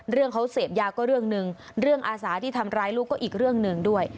เรื่องเขาเสพยาก็เรื่องหนึ่งเรื่องอาสาที่ทำร้ายลูกก็อีกเรื่องหนึ่งด้วย